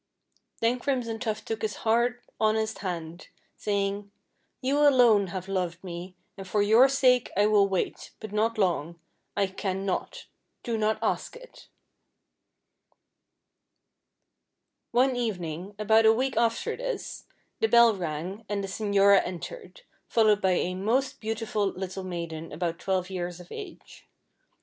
Then Crimson Tuft took his hard, honest hand, saying, "you alone have loved me, and for your sake I will wait, but not long, I can not do not ask it." One evening, about a week after this, the bell rang, and the señora entered, followed by a most beautiful little maiden about twelve years of age.